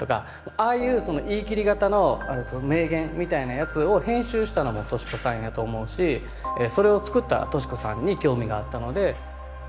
ああいうその言い切り型の名言みたいなやつを編集したのも敏子さんやと思うしそれをつくった敏子さんに興味があったので。